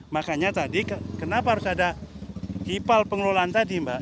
makanya tadi kenapa harus ada kipal pengelolaan tadi mbak